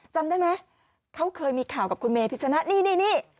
จำได้ไหมเขาเคยมีข่าวกับคุณเมพิชนะนี่